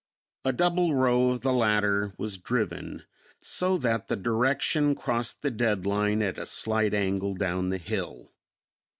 A double row of the latter was driven, so that the direction crossed the dead line at a slight angle down the hill.